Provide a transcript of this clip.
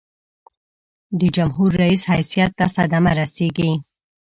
د جمهور رئیس حیثیت ته صدمه رسيږي.